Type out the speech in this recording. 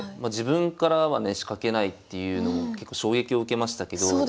自分からはね仕掛けないというのも結構衝撃を受けましたけど